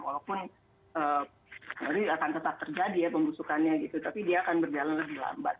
walaupun baru akan tetap terjadi ya pembusukannya gitu tapi dia akan berjalan lebih lambat